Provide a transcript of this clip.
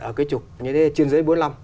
ở cái trục trên dưới bốn mươi năm